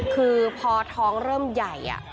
คือพอท้องเริ่มใหญ่